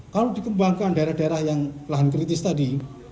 kalau dikembangkan daerah daerah yang lahan kritis tadi